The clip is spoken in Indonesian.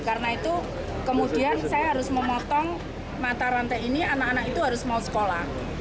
karena itu kemudian saya harus memotong mata rantai ini anak anak itu harus mau sekolah